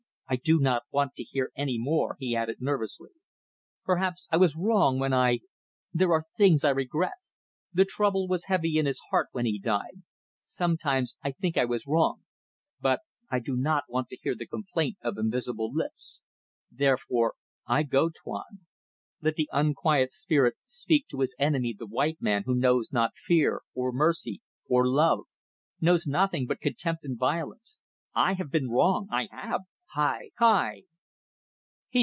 ... I do not want to hear any more," he added, nervously. "Perhaps I was wrong when I ... There are things I regret. The trouble was heavy in his heart when he died. Sometimes I think I was wrong ... but I do not want to hear the complaint of invisible lips. Therefore I go, Tuan. Let the unquiet spirit speak to his enemy the white man who knows not fear, or love, or mercy knows nothing but contempt and violence. I have been wrong! I have! Hai!